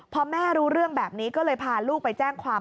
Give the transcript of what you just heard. พอแม่รู้เรื่องแบบนี้ก็เลยพาลูกไปแจ้งความ